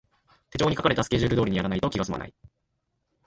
手帳に書かれたスケジュール通りにやらないと気がすまない